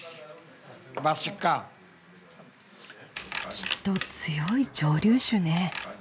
きっと強い蒸留酒ね。